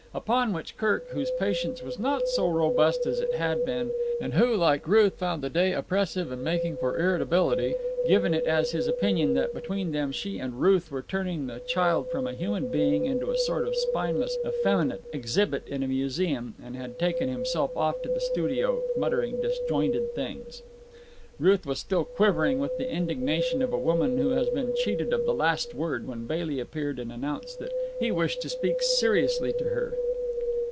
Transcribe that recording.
Upon which Kirk, whose patience was not so robust as it had been, and who, like Ruth, found the day oppressive and making for irritability, had cursed Aunt Lora heartily, given it as his opinion that between them she and Ruth were turning the child from a human being into a sort of spineless, effeminate exhibit in a museum, and had taken himself off to the studio muttering disjointed things. Ruth was still quivering with the indignation of a woman who has been cheated of the last word when Bailey appeared and announced that he wished to speak seriously to her.